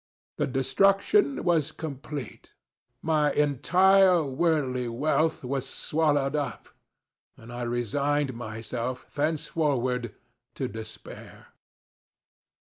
The destruction was complete. My entire worldly wealth was swallowed up, and I resigned myself thenceforward to despair.